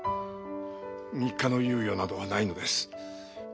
３日の猶予などはないのです。